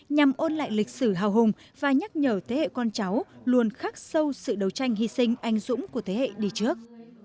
nhằm ôn lại lịch sử hào hùng và nhắc nhở thế hệ con cháu luôn khắc sâu sự đấu tranh hy sinh anh dũng của thế hệ đi trước